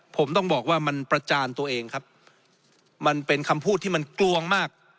ผมต้องบอกว่ามันประจานตัวเองครับมันเป็นคำพูดที่มันกลวงมาก